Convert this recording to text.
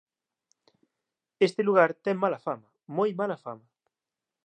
Este lugar ten mala fama, moi mala fama.